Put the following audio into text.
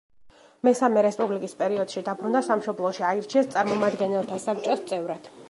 მესამე რესპუბლიკის პერიოდში დაბრუნდა სამშობლოში, აირჩიეს წარმომადგენელთა საბჭოს წევრად.